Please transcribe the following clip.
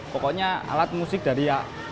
pokoknya alat musik dari